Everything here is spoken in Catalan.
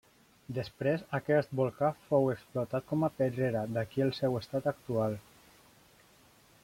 Després aquest volcà fou explotat com a pedrera, d'aquí el seu estat actual.